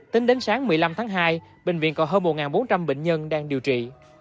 tính đến sáng một mươi năm tháng hai bệnh viện có hơn một bốn trăm linh bệnh nhân đang điều trị